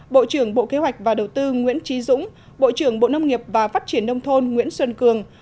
bộ trưởng bộ kế hoạch và đầu tư nguyễn trí dũng bộ trưởng bộ nông nghiệp và phát triển nông thôn nguyễn xuân cường